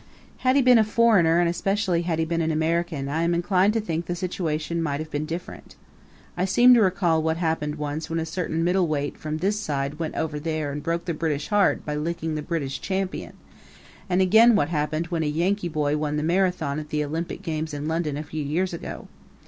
Had he been a foreigner and especially had he been an American I am inclined to think the situation might have been different. I seem to recall what happened once when a certain middleweight from this side went over there and broke the British heart by licking the British champion; and again what happened when a Yankee boy won the Marathon at the Olympic games in London a few years ago.